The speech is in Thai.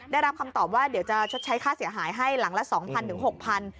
ได้รับคำตอบว่าเดี๋ยวจะชดใช้ค่าเสียหายให้หลังละ๒๐๐ถึง๖๐๐บาท